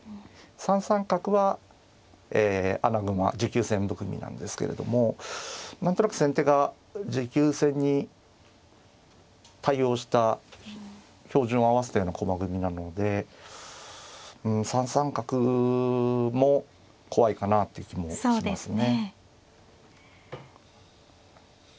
３三角は穴熊持久戦含みなんですけれども何となく先手が持久戦に対応した照準を合わせたような駒組みなので３三角も怖いかなっていう気もしますね。